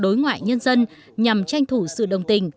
đối ngoại nhân dân nhằm tranh thủ sự đồng tình